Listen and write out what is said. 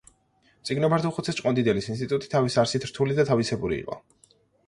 მწიგნობართუხუცეს-ჭყონდიდელის ინსტიტუტი თავის არსით რთული და თავისებური იყო.